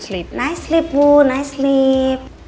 selamat tidur bu selamat tidur